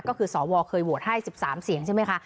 ก็คือสวเคยโหวตให้๑๓เสียงใช่ไหมคะ